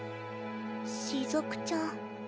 しずくちゃん。